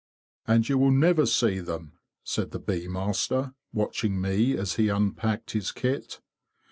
"And you will never see them," said the bee master, watching me as he unpacked his kit.